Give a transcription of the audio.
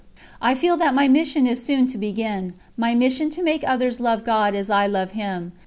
"I feel that my mission is soon to begin my mission to make others love God as I love Him